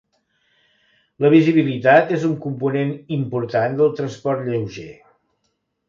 La visibilitat és un component important del transport lleuger.